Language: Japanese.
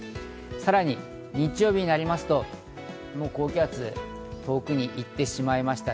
さらに日曜日になりますと高気圧、遠くに行ってしまいました。